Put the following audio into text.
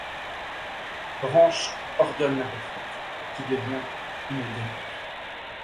Branch ordonne la retraite, qui devient une déroute.